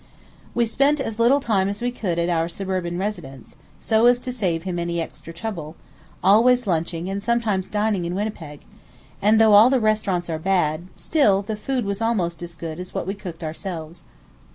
We spent as little time as we could at our suburban residence, so as to save him any extra trouble, always lunching and sometimes dining in Winnipeg; and though all the restaurants are bad, still the food was almost as good as what we cooked ourselves.